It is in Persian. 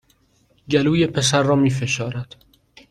گلوی پسر را می فشارد